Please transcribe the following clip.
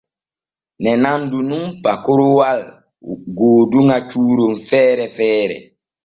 Ne nandu nun pakoroowal gooduŋal cuuron feere feere.